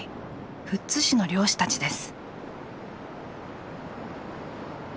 富津市の漁師たちです。